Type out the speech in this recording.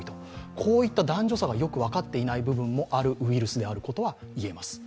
こういった男女差がよく分かっていない部分もあるウイルスであることは言えます。